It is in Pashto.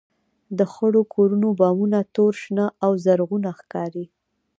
د خړو کورونو بامونه تور، شنه او زرغونه ښکارېدل.